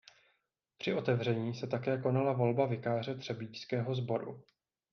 Při otevření se také konala volba vikáře třebíčského sboru.